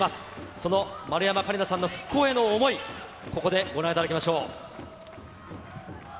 その丸山桂里奈さんの復興への想い、ここでご覧いただきましょう。